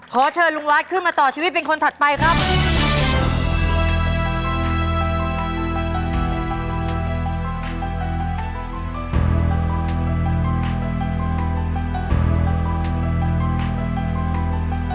ขอเชิญลุงวัดขึ้นมาต่อชีวิตเป็นคนถัดไปครับ